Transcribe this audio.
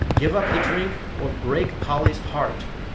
Give up the drink or break Polly's heart!'